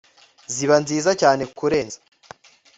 ziba nziza cyane kurenza